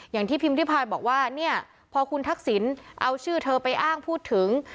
อย่างที่พิมพ์รีบภัยบอกว่าเนี่ยพอคุณทักศิลป์เอาชื่อเธอไปอ้างพูดถึง